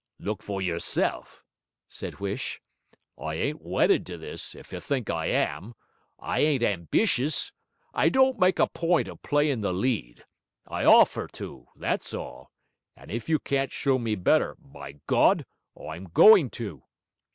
'Look for yourself,' said Huish. 'I ain't wedded to this, if you think I am; I ain't ambitious; I don't make a point of playin' the lead; I offer to, that's all, and if you can't show me better, by Gawd, I'm goin' to!'